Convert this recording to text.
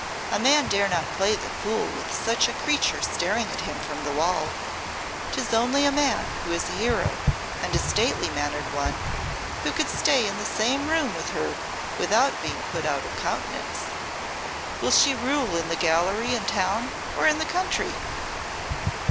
A man dare not play the fool with such a creature staring at him from the wall. 'Tis only a man who is a hero, and a stately mannered one, who could stay in the same room with her without being put out of countenance. Will she rule in the gallery in town or in the country?"